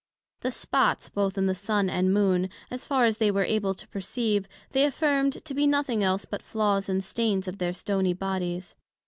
The Spots both in the Sun and Moon, as far as they were able to perceive, they affirmed to be nothing else but flaws and stains of their stony Bodies.